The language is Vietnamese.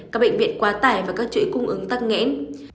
các bệnh viện quá tải và các chuỗi cung ứng tắc nghẽn